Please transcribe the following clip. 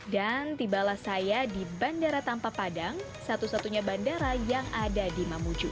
dan tibalah saya di bandara tanpa padang satu satunya bandara yang ada di mamuju